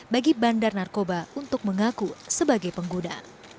bagi bandar narkoba untuk mengaku sebagai pengguna